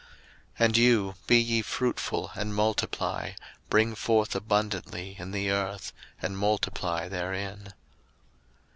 01:009:007 And you, be ye fruitful, and multiply; bring forth abundantly in the earth, and multiply therein.